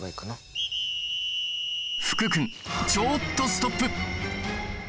福君ちょっとストップ！